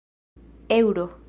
eŭro